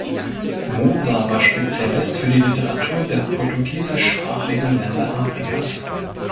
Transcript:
Moser war Spezialist für die Literatur der portugiesischsprachigen Länder Afrikas.